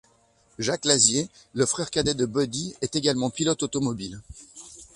Jaques Lazier, le frère cadet de Buddy, est également pilote automobile.